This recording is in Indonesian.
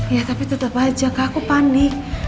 ya tapi tetap aja kak aku panik